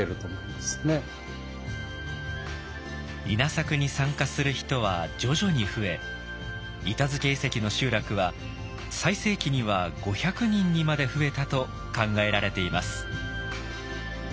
稲作に参加する人は徐々に増え板付遺跡の集落は最盛期には５００人にまで増えたと考えられています。